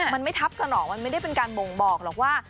มันไม่ทับกระหนองมันไม่ได้เป็นการบ่งบอกหรอกว่า